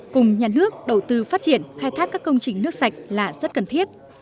cùng nhà nước đầu tư phát triển khai thác các công trình nước sạch là rất cần thiết